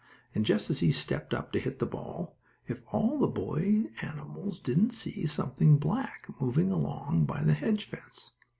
And just as he stepped up to hit the ball, if all the boy animals didn't see something black moving along by the hedge fence.